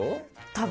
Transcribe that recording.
多分。